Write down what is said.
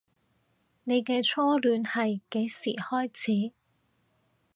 你嘅初戀係幾時開始